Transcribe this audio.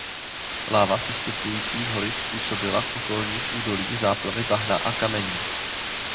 Láva sestupující z hory způsobila v okolních údolích záplavy bahna a kamení.